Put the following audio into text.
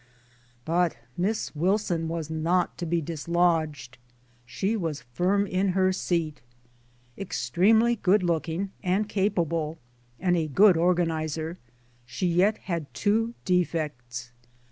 But Miss Wilson was not to be dislodged ; she was firm in her seat. Extremely good looking and capable, and a good organizer, she yet had two defects.